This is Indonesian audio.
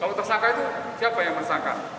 kalau tersangka itu siapa yang tersangka